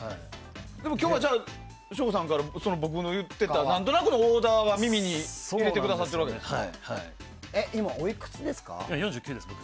今日は、省吾さんから僕が言っていた何となくのオーダーは耳に入れてくださってるわけですね。